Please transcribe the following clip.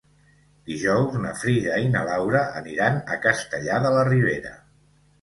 Dijous na Frida i na Laura aniran a Castellar de la Ribera.